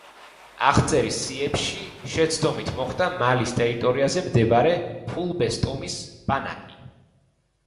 აღწერის სიებში შეცდომით მოხვდა მალის ტერიტორიაზე მდებარე ფულბეს ტომის ბანაკი.